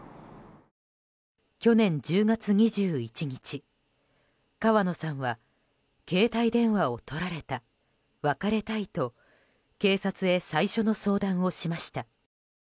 去年１０月２１日、川野さんは携帯電話をとられた別れたいと警察へ最初の相談をしました。